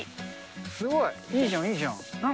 すごい、いいじゃん、いいじゃん。